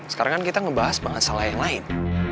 sekarang kan kita ngebahas masalah yang lain